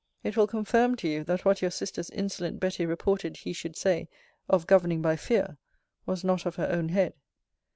It will confirm to you that what your sister's insolent Betty reported he should say, of governing by fear, was not of her own head.